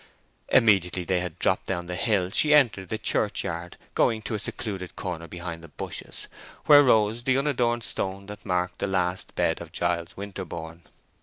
Immediately they had dropped down the hill she entered the church yard, going to a secluded corner behind the bushes, where rose the unadorned stone that marked the last bed of Giles Winterborne.